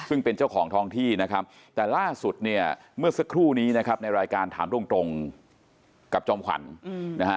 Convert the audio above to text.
ซึ่งเป็นเจ้าของท้องที่นะครับแต่ล่าสุดเนี่ยเมื่อสักครู่นี้นะครับในรายการถามตรงกับจอมขวัญนะฮะ